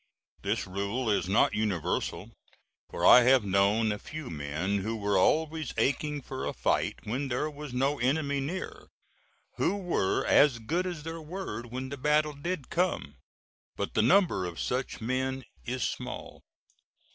This rule is not universal, for I have known a few men who were always aching for a fight when there was no enemy near, who were as good as their word when the battle did come. But the number of such men is small.